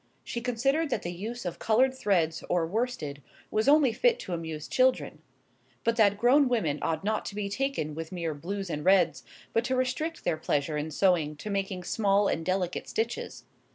She considered that the use of coloured threads or worsted was only fit to amuse children; but that grown women ought not to be taken with mere blues and reds, but to restrict their pleasure in sewing to making small and delicate stitches.